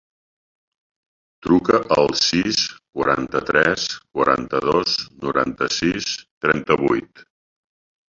Truca al sis, quaranta-tres, quaranta-dos, noranta-sis, trenta-vuit.